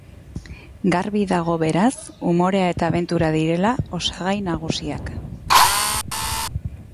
Garbi dago, beraz, umorea eta abentura direla osagai nagusiak.